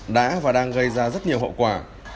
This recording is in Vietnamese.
đã và đang gây ra rất nhiều hậu quả